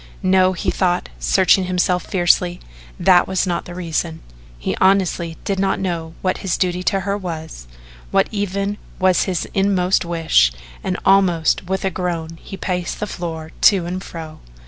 No, he thought, searching himself fiercely, that was not the reason. He honestly did not know what his duty to her was what even was his inmost wish, and almost with a groan he paced the floor to and fro.